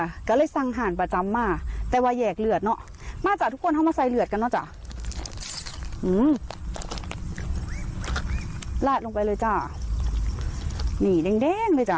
จะก็เลยสั่งหารประจำมาแต่ว่าแยกลือและเนาะมาจากทุกคนมาใส่เลือดกันเนาะจ้ะ